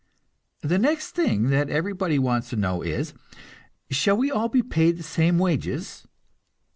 The next thing that everybody wants to know is, "Shall we all be paid the same wages?"